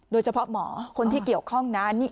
โดยเฉพาะหมอคนที่เกี่ยวข้องนะ